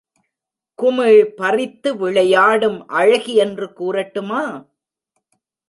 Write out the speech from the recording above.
குமிழ் பறித்து விளையாடும் அழகி என்று கூறட்டுமா?